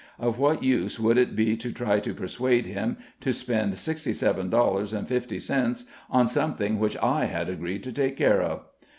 Of what use would it be to try to persuade him to spend sixty seven dollars and fifty cents on something which I had agreed to take care of.